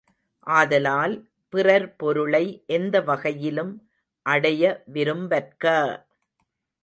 ஆதலால், பிறர் பொருளை எந்த வகையிலும் அடைய விரும்பற்க!